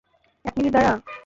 এক মিনিট দাঁড়া।